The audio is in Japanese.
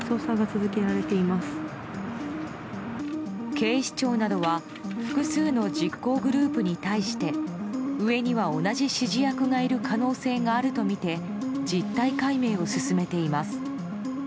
警視庁などは複数の実行グループに対して上には同じ指示役がいる可能性があるとみて実態解明を進めています。